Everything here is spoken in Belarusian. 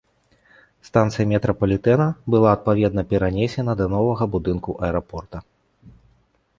Станцыя метрапалітэна была адпаведна перанесена да новага будынку аэрапорта.